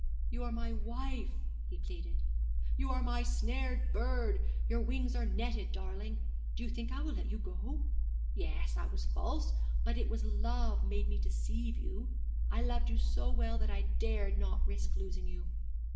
'You are my wife,' he pleaded; 'you are my snared bird; your wings are netted, darling. Do you think I will let you go? Yes, I was false, but it was love made me deceive you. I loved you so well that I dared not risk losing you.'